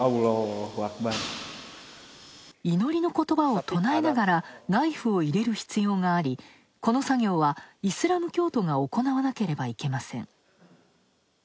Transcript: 祈りのことばを唱えながらナイフを入れる必要がありこの作業はイスラム教徒が行わなければいけません。